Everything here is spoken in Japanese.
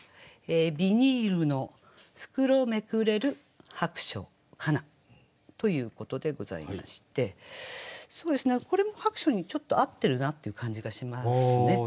「ビニールの袋めくれる薄暑かな」ということでございましてこれも薄暑にちょっと合ってるなって感じがしますね。